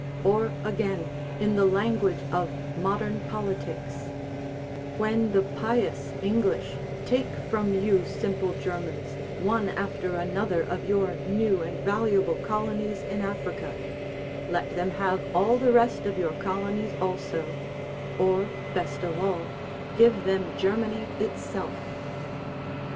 Or, again, in the language of modern politics: "When the pious English take from you simple Germans one after another of your new and valuable colonies in Africa, let them have all the rest of your colonies also or, best of all, give them Germany itself."